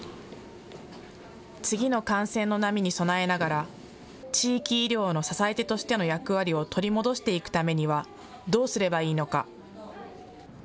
次の感染の波に備えながら地域医療の支え手としての役割を取り戻していくためにはどうすればいいのか。